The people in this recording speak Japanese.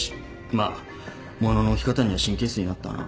まあ物の置き方には神経質になったな。